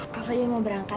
kak fadil mau berangkat ya